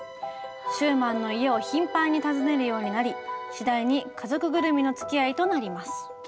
シューマンの家を頻繁に訪ねるようになり次第に家族ぐるみのつきあいとなります。